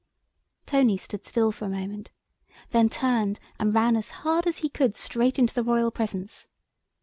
Tony stood still for a moment, then turned and ran as hard as he could straight into the Royal presence.